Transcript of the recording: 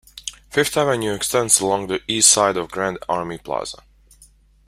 Fifth Avenue extends along the east side of Grand Army Plaza.